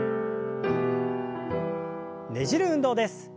ねじる運動です。